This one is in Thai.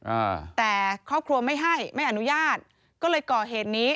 อ่าแต่ครอบครัวไม่ให้ไม่อนุญาตก็เลยก่อเหตุนี้